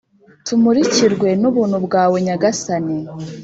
Tumurikirwe n’ubuntu bwawe Nyagasani